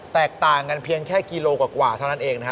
แตกต่างกันเพียงแค่กิโลกว่าเท่านั้นเองนะฮะ